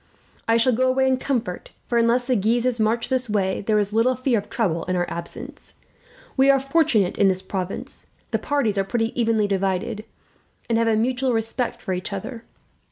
"I shall go away in comfort for, unless the Guises march this way, there is little fear of trouble in our absence. We are fortunate in this province. The parties are pretty evenly divided, and have a mutual respect for each other.